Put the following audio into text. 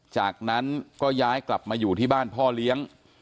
จากนั้นก็ย้ายกลับมาอยู่ที่บ้านพ่อเลี้ยง